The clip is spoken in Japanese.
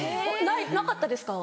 なかったですか？